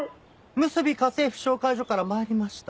むすび家政婦紹介所から参りました。